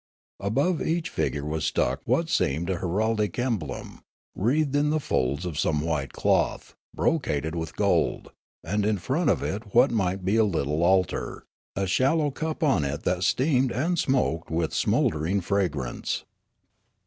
Above each figure was stuck what seemed a heraldic emblem, wreathed in the folds of some white cloth, brocaded with gold ; and in front of it what might be a little altar, a shallow cup on it that steamed and smoked with smouldering fragrance.